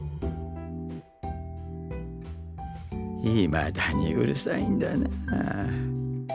いまだにうるさいんだなあ。